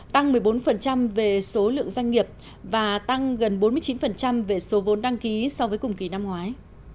tăng một mươi bốn về số lượng doanh nghiệp và tăng gần bốn mươi chín về số vốn đăng ký so với cùng kỳ năm ngoái